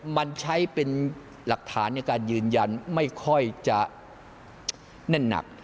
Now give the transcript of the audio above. มันใช้เป็นหลักฐานในการยืนยันไม่ค่อยจะแน่นหนัก